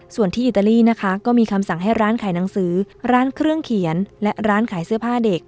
ส่วนที่อิตาลีนะคะก็มีคำสั่งให้ร้านขายหนังสือร้านเครื่องเขียนและร้านขายเสื้อผ้าเด็ก